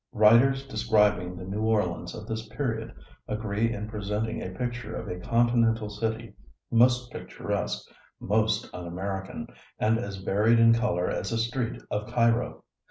Writers describing the New Orleans of this period agree in presenting a picture of a continental city, most picturesque, most un American, and as varied in color as a street of Cairo.